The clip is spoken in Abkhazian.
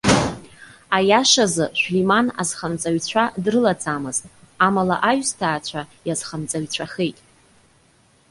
Аиашазы, Шәлиман азхамҵаҩцәа дрылаӡамызт, амала аҩсҭаацәа иазхамҵаҩцәахеит.